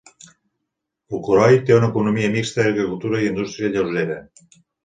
Fukuroi té una economia mixta d'agricultura i indústria lleugera.